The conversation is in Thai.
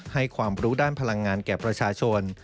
ให้ความรู้ด้านพลังงานแก่ประชาชน